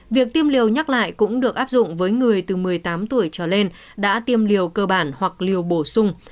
việc tiêm liều nhắc lại cũng được áp dụng với người từ một mươi tám tuổi trở lên đã tiêm liều cơ bản hoặc liều bổ sung